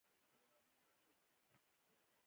دغه دوره د فیوډالیزم د عصر په نامه هم یادیږي.